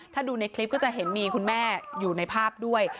ถ้าดูในคลิปก็จะเห็นมีคุณแม่อยู่ในภาพด้วย